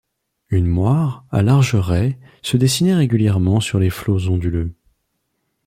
Une moire, à larges raies, se dessinait régulièrement sur les flots onduleux.